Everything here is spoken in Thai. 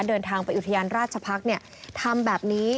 เดินทางไปอุทยานราชพักษ์ทำแบบนี้